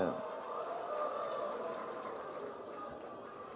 bapak ibu apa yang anda lakukan untuk menjelaskan hal hal yang tadi saya sampaikan